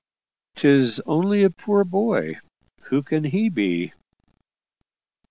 "'Tis only a poor boy who can he be?"